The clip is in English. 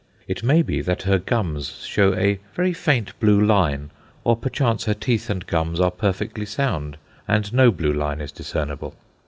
It may be that her gums show a very faint blue line, or perchance her teeth and gums are perfectly sound, and no blue line is discernible.